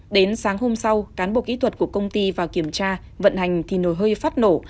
đến sáng hôm sau cán bộ kỹ thuật của công ty vào kiểm tra vận hành thì nồi hơi phát nổ